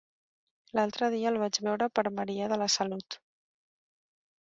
L'altre dia el vaig veure per Maria de la Salut.